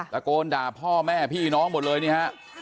ตะโกนด่าพ่อแม่พี่น้องหมดเลยนี่ฮะ